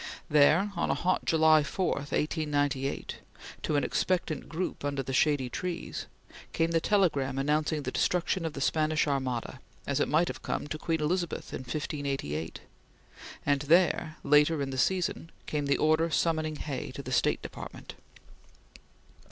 There, on a hot July 4, 1898, to an expectant group under the shady trees, came the telegram announcing the destruction of the Spanish Armada, as it might have come to Queen Elizabeth in 1588; and there, later in the season, came the order summoning Hay to the State Department.